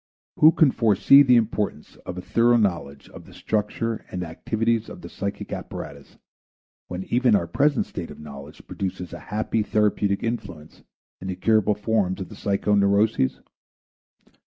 Who can foresee the importance of a thorough knowledge of the structure and activities of the psychic apparatus when even our present state of knowledge produces a happy therapeutic influence in the curable forms of the psychoneuroses?